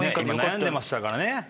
今悩んでましたからね。